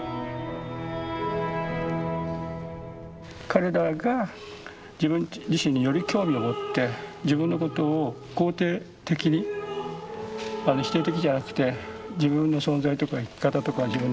彼らが自分自身により興味を持って自分のことを肯定的に否定的じゃなくて自分の存在とか生き方とか自分の工夫考え方